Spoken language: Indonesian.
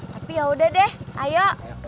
tapi yaudah deh ayo